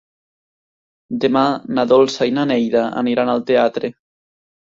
Demà na Dolça i na Neida aniran al teatre.